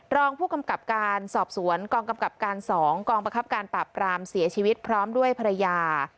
รองผู้กำกับการสอบสวนกองกำกับการ๒กองประคับการปราบปรามเสียชีวิตพร้อมด้วยภรรยา